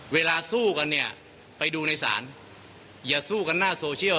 เวลาสู้กันเนี่ยไปดูในศาลอย่าสู้กันหน้าโซเชียล